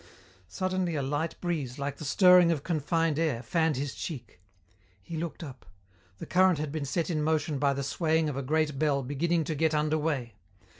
Suddenly a light breeze, like the stirring of confined air, fanned his cheek. He looked up. The current had been set in motion by the swaying of a great bell beginning to get under way.